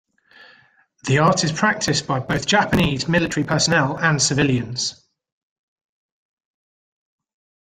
The art is practised by both Japanese military personnel and civilians.